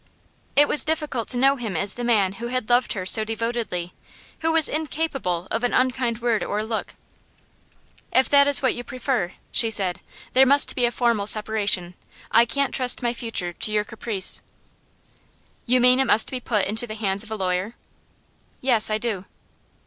It was difficult to know him as the man who had loved her so devotedly, who was incapable of an unkind word or look. 'If that is what you prefer,' she said, 'there must be a formal separation. I can't trust my future to your caprice.' 'You mean it must be put into the hands of a lawyer?' 'Yes, I do.